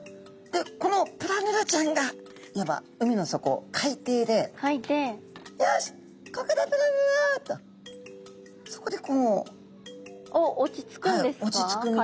でこのプラヌラちゃんがいわば海の底海底で「よしここだプラヌラ」とそこでこう。おっ落ち着くんですか？